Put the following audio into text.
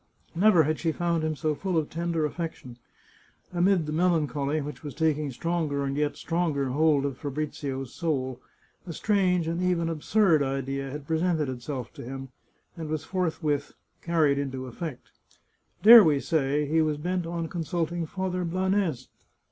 Never had she found him so full of tender aflfec tion. Amid the melancholy which was taking stronger and yet stronger hold of Fabrizio's soul, a strange and even absurd idea had presented itself to him, and was forthwith carried into effect. Dare we say he was bent on consulting Father Blanes ?